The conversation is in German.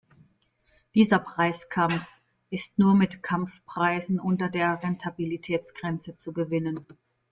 Dieser Preiskampf ist nur mit Kampfpreisen unter der Rentabilitätsgrenze zu gewinnen.